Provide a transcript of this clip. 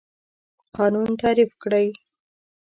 قانون تعریف کړئ.